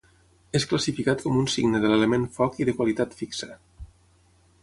És classificat com un signe de l'element foc i de qualitat fixa.